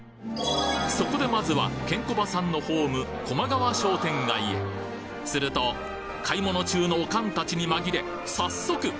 そこでまずはケンコバさんのホームすると買い物中のオカンたちに紛れ早速！